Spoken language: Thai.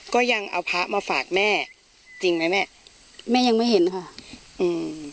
ก็ยังเอาพระมาฝากแม่จริงไหมแม่แม่ยังไม่เห็นค่ะอืม